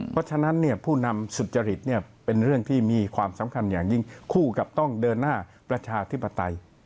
เพราะฉะนั้นผู้นำสุจริตเป็นเรื่องที่มีความสำคัญอย่างยิ่งคู่กับต้องเดินหน้าประชาธิปไตย